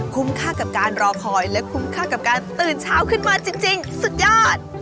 ค่ากับการรอคอยและคุ้มค่ากับการตื่นเช้าขึ้นมาจริงสุดยอด